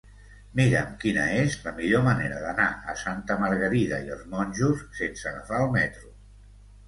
Mira'm quina és la millor manera d'anar a Santa Margarida i els Monjos sense agafar el metro.